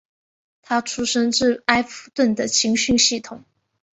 他出身自埃弗顿的青训系统。